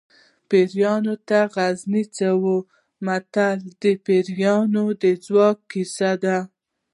پیریانو ته غزني څه وي متل د پیریانو د ځواک کیسه ده